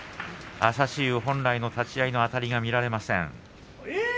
朝志雄、本来の立ち合いのあたりが見られません。